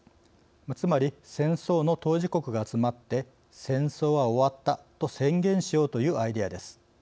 つまり戦争の当事国が集まって「戦争は終わった」と宣言しようというアイデアです。